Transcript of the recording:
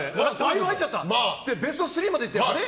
ベスト３までいってあれ？